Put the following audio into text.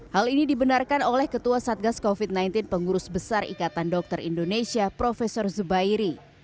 hal ini dibenarkan oleh ketua satgas covid sembilan belas pengurus besar ikatan dokter indonesia prof zubairi